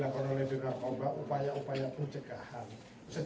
bukan sumsi narkoba sama dengan memenuhi daging dan disetan